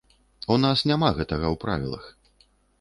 У нас няма гэтага ў правілах.